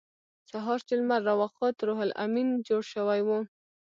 سهار چې لمر راوخوت روح لامین جوړ شوی و